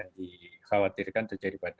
dikhawatirkan terjadi pada